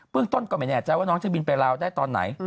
ต้นก็ไม่แน่ใจว่าน้องจะบินไปลาวได้ตอนไหน